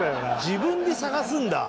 自分で探すんだ。